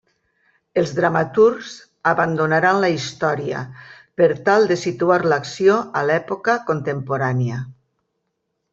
Els dramaturgs abandonaran la història per tal de situar l'acció a l'època contemporània.